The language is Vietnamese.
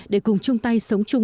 để cùng chung tay sống chung